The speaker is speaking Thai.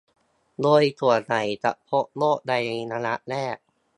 โดยส่วนใหญ่จะพบโรคในระยะแรก